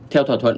theo thỏa thuận